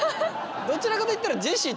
どちらかといったらジェシー